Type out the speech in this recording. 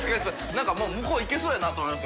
燭もう向こう行けそうやなと思います